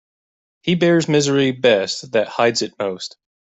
He bears misery best that hides it most.